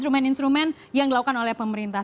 itu adalah instrumen instrumen yang dilakukan oleh pemerintah